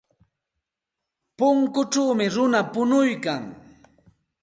Punkuchawmi runa punuykan.